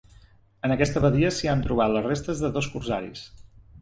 En aquesta badia s'hi han trobat les restes de dos corsaris.